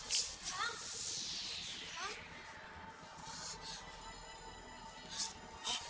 jangan lupa aku sudah kabur